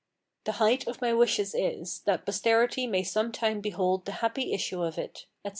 The height of my wishes is, that posterity may sometime behold the happy issue of it, etc.